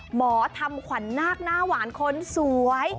หมอทำขวัญนาคหน้าหวานคนสวย